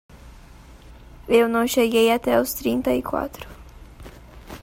Eu não cheguei até os trinta e quatro.